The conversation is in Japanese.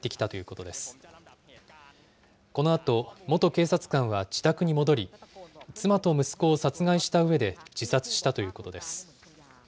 このあと、元警察官は自宅に戻り、妻と息子を殺害したうえで自殺したということです。